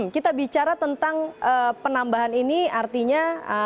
kita bicara tentang penambahan ini artinya